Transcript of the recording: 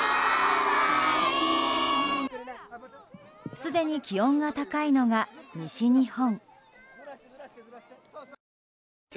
すでに気温が高いのが西日本。